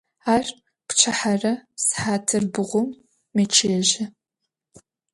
Ar pçıhere sıhatır bğum meççıêjı.